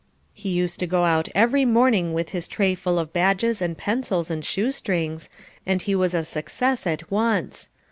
He used to go out every morning with his trayful of badges and pencils and shoe strings and he was a success at once.